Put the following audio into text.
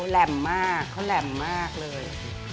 แหลมมากเขาแหลมมากเลย